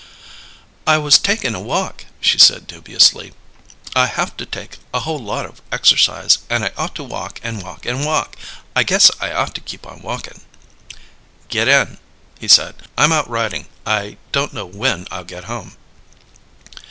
"I was takin' a walk," she said dubiously. "I haf to take a whole lot of exercise, and I ought to walk and walk and walk. I guess I ought to keep on walkin'." "Get in," he said. "I'm out riding. I don't know when I'll get home!"